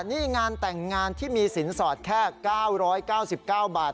นี่งานแต่งงานที่มีสินสอดแค่๙๙๙บาท